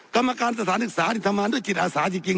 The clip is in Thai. กรรมการสถานศึกษานี่ทำงานด้วยจิตอาสาจริง